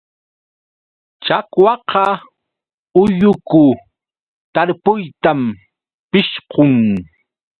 Chakwaqa ulluku tarpuyta pishqun.